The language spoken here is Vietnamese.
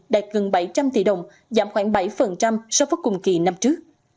đạt gần bảy trăm linh tỷ đồng giảm khoảng bảy so với cùng kỳ năm trước